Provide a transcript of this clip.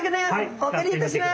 お借りいたします！